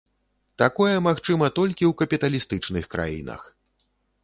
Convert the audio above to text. Такое магчыма толькі ў капіталістычных краінах.